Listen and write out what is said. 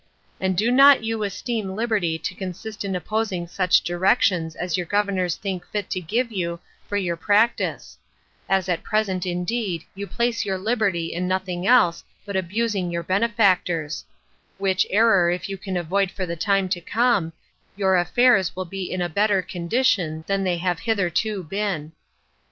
And do not you esteem liberty to consist in opposing such directions as your governors think fit to give you for your practice, as at present indeed you place your liberty in nothing else but abusing your benefactors; which error if you can avoid for the time to come, your affairs will be in a better condition than they have hitherto been.